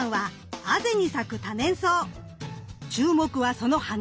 注目はその花びら。